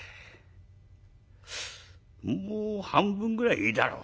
「もう半分ぐらいいいだろう。